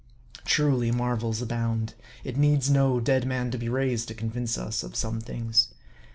Truly marvels abound. It needs 110 dead man to be raised, to convince us of some things.